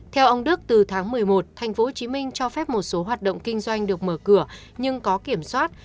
theo ông đức từ tháng một mươi một tp hcm cho phép một số hoạt động kinh doanh được mở cửa nhưng có kiểm soát